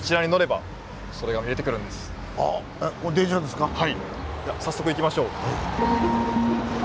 では早速行きましょう。